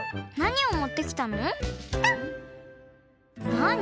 なに？